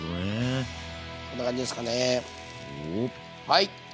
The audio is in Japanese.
はい。